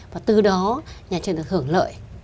và từ đó nhà trường được hưởng lợi